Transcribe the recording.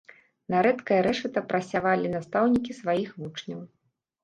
На рэдкае рэшата прасявалі настаўнікі сваіх вучняў.